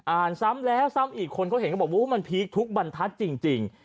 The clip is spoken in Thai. ซ้ำแล้วซ้ำอีกคนเขาเห็นก็บอกว่ามันพีคทุกบรรทัศน์จริง